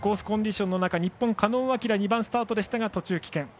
コンディションの中日本の狩野亮２番スタートでしたが、途中棄権。